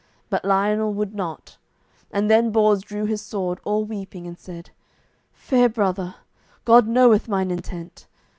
But Lionel would not, and then Bors drew his sword, all weeping, and said, "Fair brother, God knoweth mine intent.